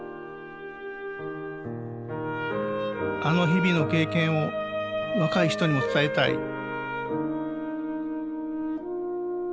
あの日々の経験を若い人にも伝えたい